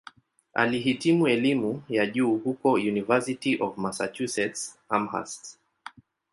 Alihitimu elimu ya juu huko "University of Massachusetts-Amherst".